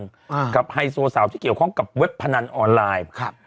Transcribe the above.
อ่ากับไฮโซสาวที่เกี่ยวข้องกับเว็บพนันออนไลน์ครับ